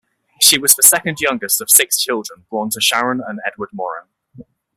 She was the second youngest of six children born to Sharon and Edward Moran.